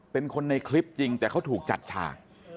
เป็นคนในคลิปจริงแต่เขาถูกจัดฉาก